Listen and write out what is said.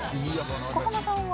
小浜さんは？